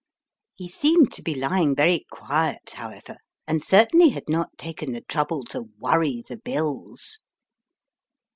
He seemed to be lying very quiet, however, and certainly had not taken the trouble to worry the bills.